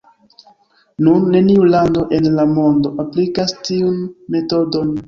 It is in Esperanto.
Nun neniu lando en la mondo aplikas tiun metodon.